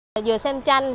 vừa xem tranh